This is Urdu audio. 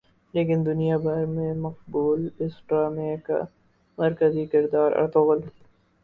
لیکن دنیا بھر میں مقبول اس ڈارمے کا مرکزی کردار ارطغرل